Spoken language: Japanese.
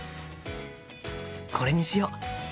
これにしよう！